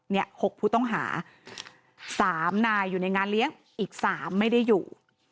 เนี่ยหกผู้ต้องหาสามนายอยู่ในงานเลี้ยงอีกสามไม่ได้อยู่